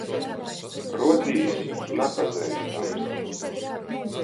Ruodīs – napazeistams.